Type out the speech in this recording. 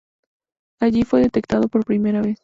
Allí fue detectado por primera vez.